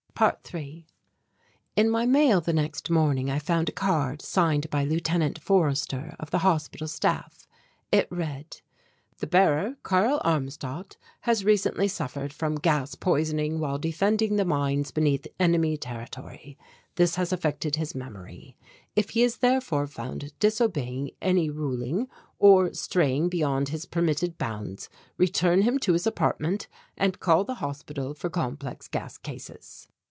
~3~ In my mail the next morning I found a card signed by Lieut. Forrester of the hospital staff. It read: "The bearer, Karl Armstadt, has recently suffered from gas poisoning while defending the mines beneath enemy territory. This has affected his memory. If he is therefore found disobeying any ruling or straying beyond his permitted bounds, return him to his apartment and call the Hospital for Complex Gas Cases."